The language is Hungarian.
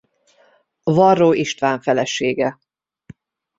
Varró István felesége.